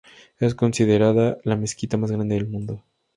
Es considerada la mezquita más grande del mundo.